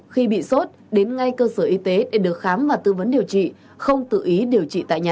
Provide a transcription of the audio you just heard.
khi bị sốt đến ngay cơ sở y tế để được khám và tư vấn điều trị không tự ý điều trị tại nhà